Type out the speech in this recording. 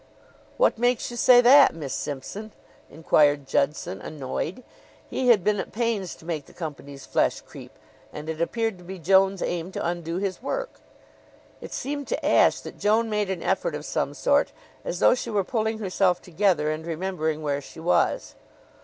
"What makes you say that, Miss Simpson?" inquired Judson, annoyed. He had been at pains to make the company's flesh creep, and it appeared to be Joan's aim to undo his work. It seemed to Ashe that Joan made an effort of some sort as though she were pulling herself together and remembering where she was.